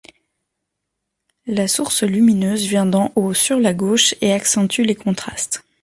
La source lumineuse vient d'en haut, sur la gauche, et accentue les contrastes.